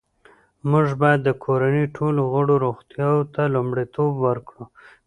موږ باید د کورنۍ ټولو غړو روغتیا ته لومړیتوب ورکړو